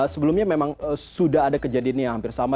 sebelumnya memang sudah ada kejadian yang hampir sama